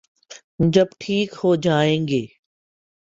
جب ٹھیک ہو جائیں گے۔